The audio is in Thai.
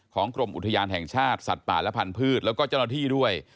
กรมอุทยานแห่งชาติสัตว์ป่าและพันธุ์แล้วก็เจ้าหน้าที่ด้วย